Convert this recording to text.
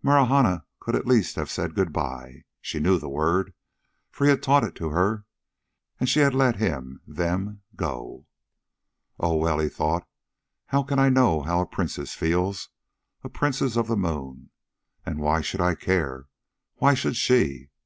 Marahna could at least have said good by. She knew the word, for he had taught it to her. And she had let him them go.... "Oh, well," he thought, "how can I know how a princess feels a princess of the moon? And why should I care why should she? But...."